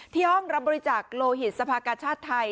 ที่ห้องรับบริจักษ์โลหิตสภากชาติไทย